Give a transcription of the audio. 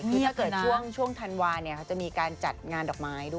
ถ้าเกิดช่วงธันวาเนี่ยเขาจะมีการจัดงานดอกไม้ด้วย